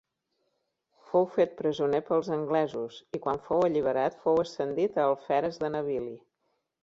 Fou fet presoner pels anglesos i quan fou alliberat fou ascendit a alferes de navili.